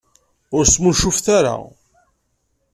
Ur smuncufet ara.